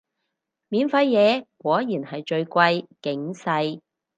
免費嘢果然係最貴，警世